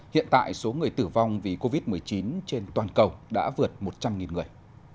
hiện tại số người tử vong vì covid một mươi chín trên toàn cầu đã vượt một trăm linh người